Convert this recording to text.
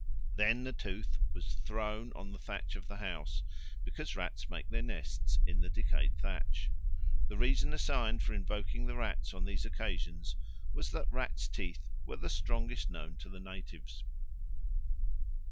Then the tooth was thrown on the thatch of the house, because rats make their nests in the decayed thatch. The reason assigned for invoking the rats on these occasions was that rats' teeth were the strongest known to the natives.